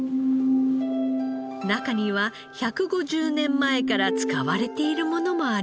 中には１５０年前から使われているものもあります。